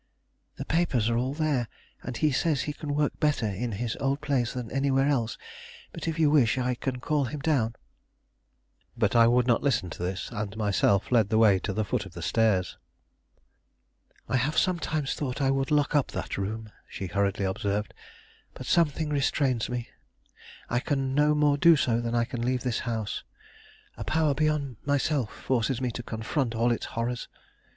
"The papers are all there, and he says he can work better in his old place than anywhere else; but if you wish, I can call him down." But I would not listen to this, and myself led the way to the foot of the stairs. "I have sometimes thought I would lock up that room," she hurriedly observed; "but something restrains me. I can no more do so than I can leave this house; a power beyond myself forces me to confront all its horrors.